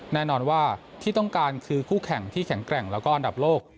แน่นอนว่าที่ต้องการคือคู่แข่งที่แข็งแกร่งแล้วก็อันดับโลก